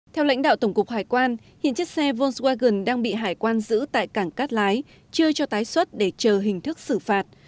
theo lãnh đạo tổng cục hải quan hiện chiếc xe volkswagen đang bị hải quan giữ tại cảng cát lái chưa cho tái xuất để chờ hình thức xử phạt